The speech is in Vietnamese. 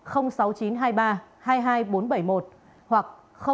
hoặc sáu mươi chín hai mươi ba hai mươi hai bốn trăm bảy mươi một